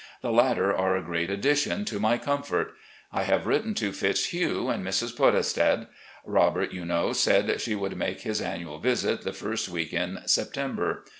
The latter are a great addition to my comfort. I have written to Fitzhugh and Mrs. Podestad. Robert, you know, said he would make his annual visit the first week in September.